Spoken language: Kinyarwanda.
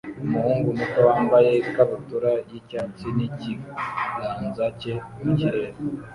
umuhungu muto wambaye ikabutura y'icyatsi n'ikiganza cye mu kirere